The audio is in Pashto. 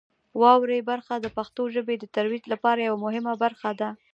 واورئ برخه د پښتو ژبې د ترویج لپاره یوه مهمه برخه ده.